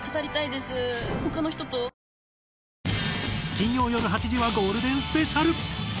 金曜よる８時はゴールデンスペシャル！